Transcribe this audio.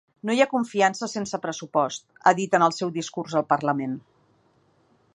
No hi ha confiança sense pressupost, ha dit en el seu discurs al parlament.